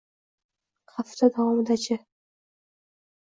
Hafta davomidachi?